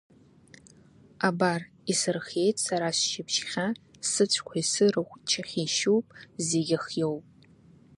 Абар, исырхиеит сара сшьыбжьхьа, сыцәқәеи сырахә чахи шьуп, зегьы хиоуп…